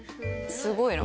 すごいな。